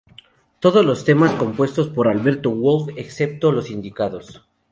Todos los temas compuestos por Alberto Wolf, excepto los indicados.